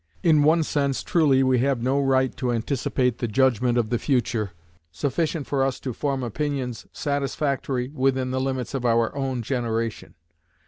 In one sense truly we have no right to anticipate the judgment of the future, sufficient for us to form opinions satisfactory within the limits of our own generation.